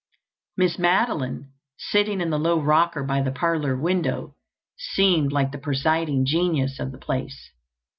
Miss Madeline, sitting in the low rocker by the parlour window, seemed like the presiding genius of the place.